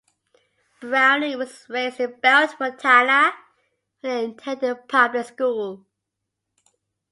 Browning was raised in Belt, Montana, where he attended public school.